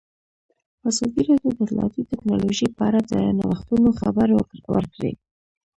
ازادي راډیو د اطلاعاتی تکنالوژي په اړه د نوښتونو خبر ورکړی.